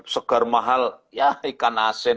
segar mahal ya ikan asin